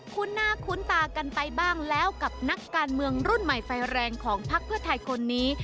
คุณหน้าคุ้นตากันไปบ้างแล้วกับนักการเมืองรุ่นใหม่ไฟแรงของพักเพื่อไทยคนนี้